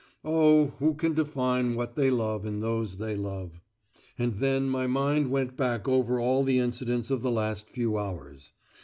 Oh, who can define what they love in those they love? And then my mind went back over all the incidents of the last few hours.